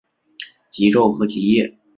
极昼和极夜。